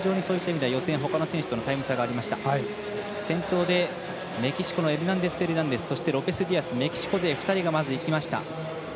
先頭でメキシコのエルナンデスエルナンデスとロペスディアスメキシコ勢２人がまず、いきました。